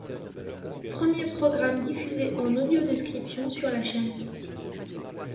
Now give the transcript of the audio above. Premier programme diffusé en audiodescription sur la chaîne.